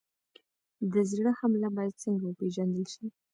د زړه حمله باید څنګه وپېژندل شي؟